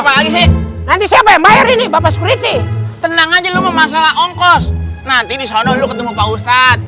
apa lagi sih nanti siapa yang bayar ini bapak security tenang aja lu mau masalah ongkos nanti disono lu ketemu pak ustadz